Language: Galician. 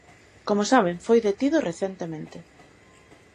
Como saben, foi detido recentemente.